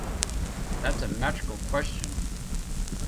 That's a magical question